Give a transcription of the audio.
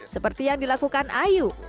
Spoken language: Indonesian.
seperti yang dilakukan ayu